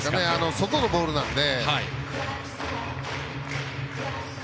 外のボールなので。